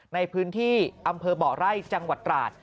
ในพื้นที่อำเภอบ่อไร่จังหวัดตราด